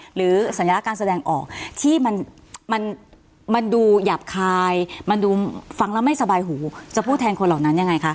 สัญลักษณ์การแสดงออกที่มันดูหยาบคายมันดูฟังแล้วไม่สบายหูจะพูดแทนคนเหล่านั้นยังไงคะ